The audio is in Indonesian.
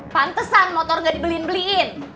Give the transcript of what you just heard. pantesan motor nggak dibeliin beliin